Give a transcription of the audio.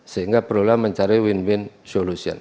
sehingga perlulah mencari win win solution